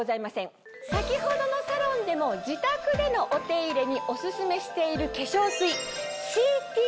先ほどのサロンでも自宅でのお手入れにオススメしている化粧水。